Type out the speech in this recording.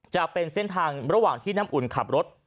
จะเป็นเส้นทางระหว่างที่น้ำอุ่นขับรถ